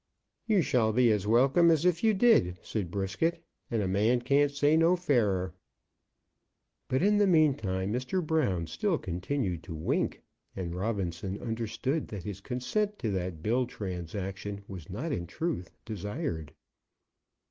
"You shall be as welcome as if you did," said Brisket; "and a man can't say no fairer." But in the meantime Mr. Brown still continued to wink, and Robinson understood that his consent to that bill transaction was not in truth desired.